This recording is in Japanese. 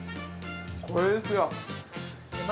これですよ。